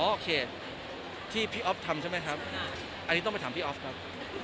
โอเคที่พี่อ๊อฟทำใช่ไหมครับอันนี้ต้องไปถามพี่อ๊อฟครับ